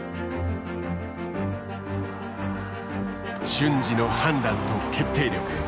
瞬時の判断と決定力。